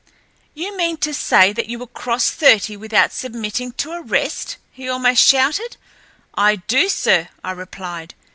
"You mean to say that you will cross thirty without submitting to arrest?" he almost shouted. "I do, sir," I replied.